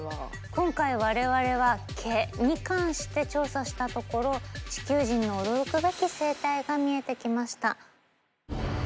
今回我々は毛に関して調査したところ地球人の驚くべき生態が見えてきました。